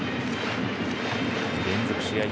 連続試合